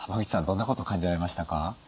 どんなこと感じられましたか？